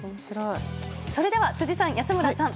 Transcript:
それでは辻さん、安村さん